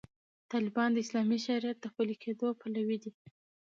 طالبان د اسلامي شریعت د پلي کېدو پلوي دي.